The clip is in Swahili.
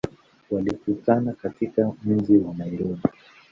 Walikutana katika mji wa Nairobi.